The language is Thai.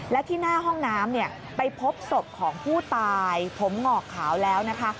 และที่หน้าห้องน้ำไปพบศพของผู้ตายผมหงอกขาวแล้วนะคะ